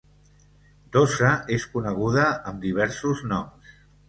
Dosa és coneguda amb diversos noms.